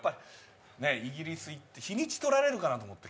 イギリス行って日にちとられるかなって思って。